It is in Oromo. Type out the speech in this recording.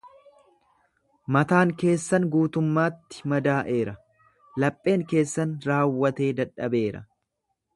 Mataan keessan guutummaatti madaa'eera, lapheen keessan raawwatee dadhabeera.